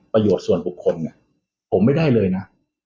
ประโยชน์ส่วนบุคคลผมไม่ได้เลยนะ